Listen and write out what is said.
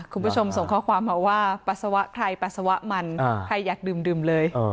คุณผู้ชมส่งข้อความมาว่าปัสสาวะใครปัสสาวะมันใครอยากดื่มเลย